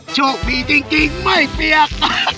ช่วงมีจริงไม่เปียก